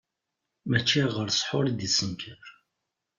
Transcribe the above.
Mačči ɣer ssḥur i d-yettekkar.